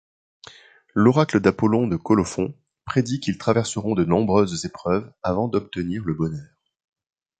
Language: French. L'oracle d'Apollon de Colophon prédit qu'ils traverseront de nombreuses épreuves avant d'obtenir le bonheur.